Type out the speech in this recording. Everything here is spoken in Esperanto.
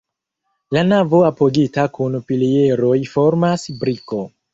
La navo apogita kun pilieroj formas briko.